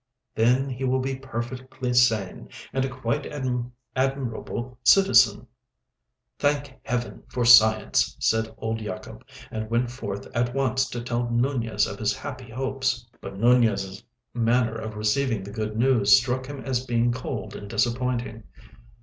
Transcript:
"Then he will be perfectly sane, and a quite admirable citizen." "Thank Heaven for science!" said old Yacob, and went forth at once to tell Nunez of his happy hopes. But Nunez's manner of receiving the good news struck him as being cold and disappointing.